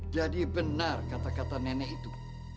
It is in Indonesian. jadi benar kata kata nenek itu